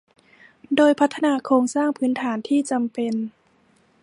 โดยพัฒนาโครงสร้างพื้นฐานที่จำเป็น